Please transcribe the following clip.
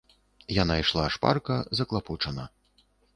Яна ішла шпарка, заклапочана.